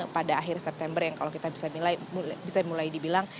pada akhir september yang kalau kita bisa mulai dibilang